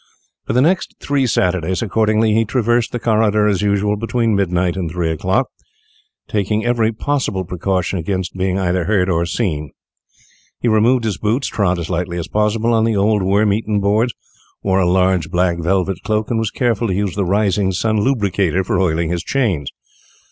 For the next three Saturdays, accordingly, he traversed the corridor as usual between midnight and three o'clock, taking every possible precaution against being either heard or seen. He removed his boots, trod as lightly as possible on the old worm eaten boards, wore a large black velvet cloak, and was careful to use the Rising Sun Lubricator for oiling his chains.